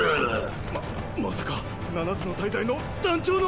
ままさか七つの大罪の団長の。